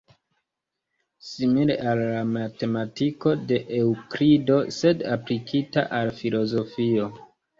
Simile al la matematiko de Eŭklido, sed aplikita al filozofio.